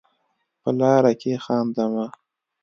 په لاره کې خانده مه.